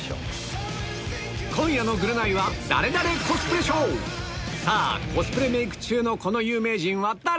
今夜の『ぐるナイ』はさぁコスプレメーク中のこの有名人は誰？